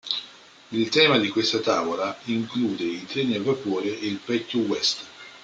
Il tema di questa tavola include i treni a vapore e il vecchio West.